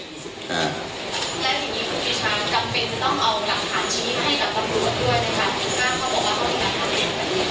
ครับ